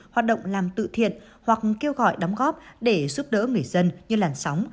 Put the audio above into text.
hoạt động làm tự thiện hoặc kêu gọi đóng góp để giúp đỡ người dân như làn sóng